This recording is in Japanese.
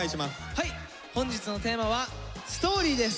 はい本日のテーマは「ＳＴＯＲＹ」です！